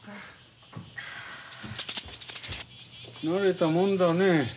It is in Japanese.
慣れたもんだねえ。